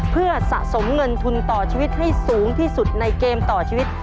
เพื่อสะสมเงินทุนต่อชีวิตให้สูงที่สุดในเกมต่อชีวิต